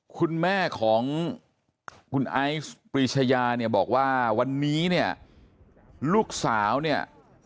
คุณแม่ของคุณไอซ์ปริชยาเนี่ยบอกว่าวันนี้เนี่ย